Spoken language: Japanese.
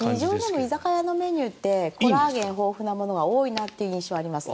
居酒屋のメニューってコラーゲンが豊富なメニューが多い印象があります。